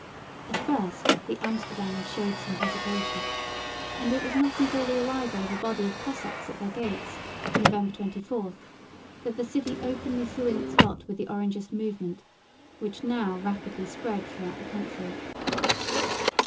At first the Amsterdammers showed some hesitation; and it was not until the arrival of a body of Cossacks at their gates (November 24), that the city openly threw in its lot with the Orangist movement, which now rapidly spread throughout the country.